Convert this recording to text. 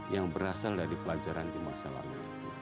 yang berasal dari pelajaran di masa lalu